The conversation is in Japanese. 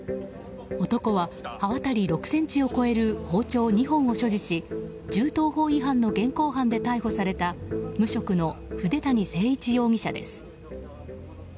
男は、刃渡り６ｃｍを超える包丁２本を所持し銃刀法違反の現行犯で逮捕された無職の筆谷征一容疑者です。